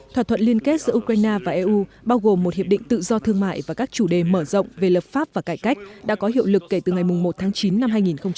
thỏa thuận liên kết giữa ukraine và eu bao gồm một hiệp định tự do thương mại và các chủ đề mở rộng về lập pháp và cải cách đã có hiệu lực kể từ ngày một tháng chín năm hai nghìn một mươi tám